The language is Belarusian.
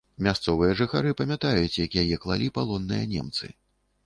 Мясцовыя жыхары памятаюць, як яе клалі палонныя немцы.